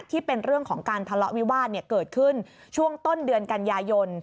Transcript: ที่เป็นเรื่องของการทะเลาะวิวาสเกิดขึ้นช่วงต้นเดือนกันยายน